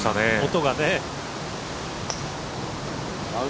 音がね。